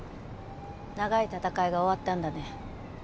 長い闘いが終わったんだね。